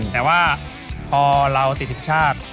แต่ว่าพอเราติดทีมชาติ